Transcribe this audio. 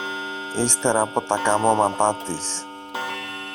ύστερα από τα καμώματα της!